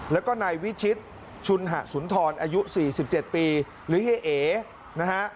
แล้วก็นายวิชิตชุนหะสุนทรอายุ๔๗ปีหรือเฮนะฮะ